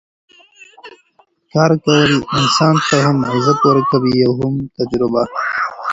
کار کول انسان ته هم عزت ورکوي او هم تجربه